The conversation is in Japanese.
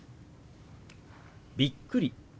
「びっくり」。